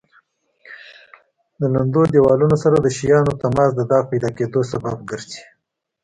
د لمد دېوالونو سره د شیانو تماس د داغ پیدا کېدو سبب ګرځي.